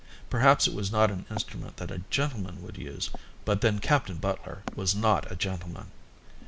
Perhaps it was not an instrument that a gentleman would use, but then Captain Butler was not a gentleman.